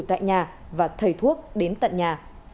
tại nhà và thầy thuốc đến tận nhà